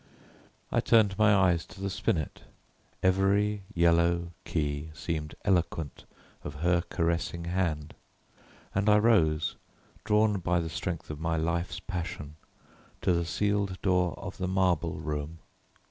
I turned my eyes to the spinet; every yellow key seemed eloquent of her caressing hand, and I rose, drawn by the strength of my life's passion to the sealed door of the marble room.